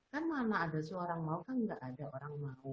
kan mana ada suara orang mau kan gak ada orang mau